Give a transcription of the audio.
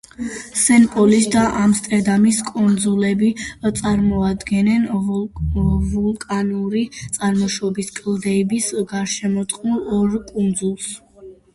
სენ-პოლის და ამსტერდამის კუნძულები წარმოადგენენ ვულკანური წარმოშობის, კლდეებით გარშემორტყმულ ორ კუნძულს.